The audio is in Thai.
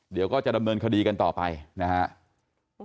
เดี๋ยวก็จะดำเนินคดีกันต่อไปนะครับ